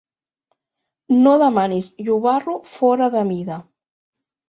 No demanis llobarro fora de mida.